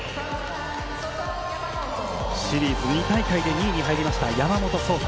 シリーズ２大会で２位に入りました、山本草太。